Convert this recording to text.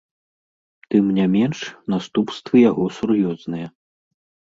Тым не менш, наступствы яго сур'ёзныя.